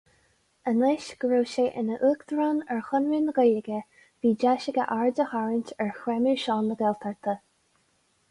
Anois go raibh sé ina uachtarán ar Chonradh na Gaeilge, bhí deis aige aird a tharraingt ar chreimeadh seo na Gaeltachta.